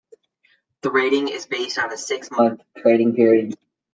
The rating is based on a six-month trading period.